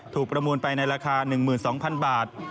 ประมูลไปในราคา๑๒๐๐๐บาท